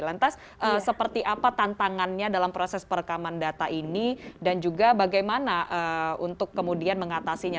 lantas seperti apa tantangannya dalam proses perekaman data ini dan juga bagaimana untuk kemudian mengatasinya